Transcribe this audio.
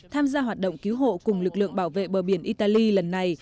tham gia hoạt động cứu hộ cùng lực lượng bảo vệ bờ biển italy lần này